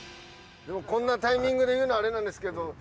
こんなタイミングで言うのあれなんですけど。